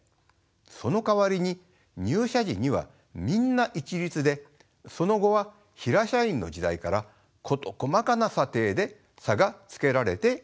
そのかわりに入社時にはみんな一律でその後はヒラ社員の時代から事細かな査定で差がつけられていきます。